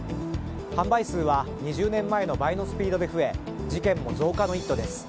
販売数は２０年前の倍のスピードで増え事件も増加の一途です。